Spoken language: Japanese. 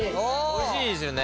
おいしいですよね。